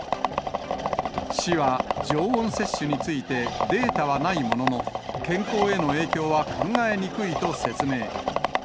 市は、常温接種について、データはないものの、健康への影響は考えにくいと説明。